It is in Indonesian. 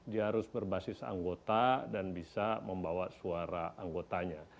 dia harus berbasis anggota dan bisa membawa suara anggotanya